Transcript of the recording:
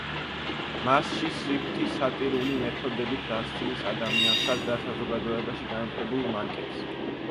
მასში სვიფტი სატირული მეთოდებით დასცინის ადამიანსა და საზოგადოებაში გამეფებულ მანკებს.